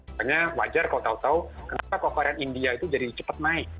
makanya wajar kalau tahu tahu kenapa kalau varian india itu jadi cepat naik